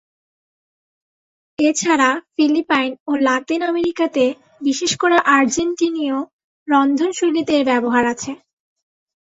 এছাড়া ফিলিপাইন ও লাতিন আমেরিকাতে বিশেষ করে আর্জেন্টিনীয় রন্ধনশৈলীতে এর ব্যবহার আছে।